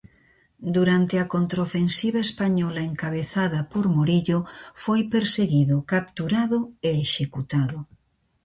Durante a contraofensiva española encabezada por Morillo foi perseguido, capturado e executado.